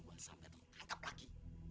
kalau kalian berdua sampai terangkap lagi